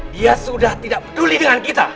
dia sudah tidak peduli dengan kita